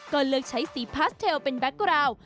ก็เลือกใช้สีพาสเทลเป็นแก๊กกราว